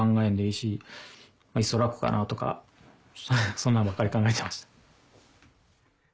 そんなんばっかり考えてました。